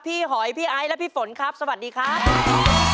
หอยพี่ไอซ์และพี่ฝนครับสวัสดีครับ